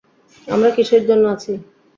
আমরা কীসের জন্য আছি?